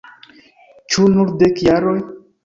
Ĉu nur dek jaroj?